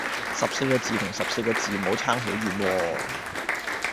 十四個字同十四個字母差好遠喎